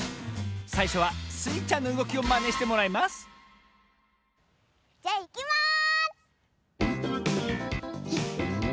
さいしょはスイちゃんのうごきをマネしてもらいますじゃいきます！